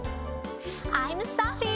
アイムサフィー。